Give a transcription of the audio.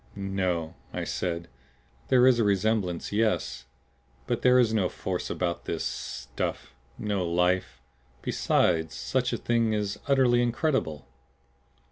"No," I said. "There is a resemblance, yes. But there is no force about this stuff; no life. Besides, such a thing is utterly incredible."